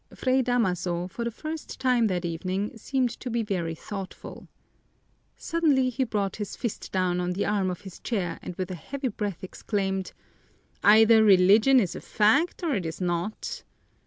Fray Damaso, for the first time that evening, seemed to be very thoughtful. Suddenly he brought his fist down on the arm of his chair and with a heavy breath exclaimed: "Either Religion is a fact or it is not!